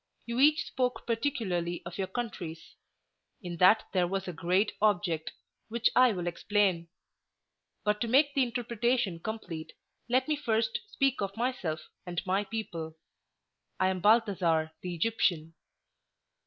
You each spoke particularly of your countries; in that there was a great object, which I will explain; but to make the interpretation complete, let me first speak of myself and my people. I am Balthasar the Egyptian."